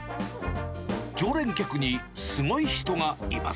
常連客にすごい人がいます。